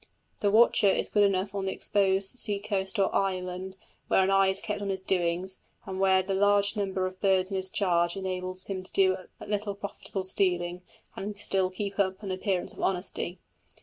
The "watcher" is good enough on the exposed sea coast or island where an eye is kept on his doings, and where the large number of birds in his charge enables him to do a little profitable stealing and still keep up an appearance of honesty.